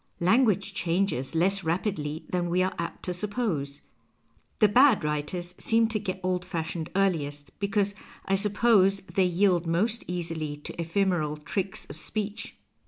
Language changes less rapidly than we are apt to suppose. The bad ^^Titcrs seem to get old fashioned earliest — because, I suppose, they yield most easily to ephemeral tricks of speech.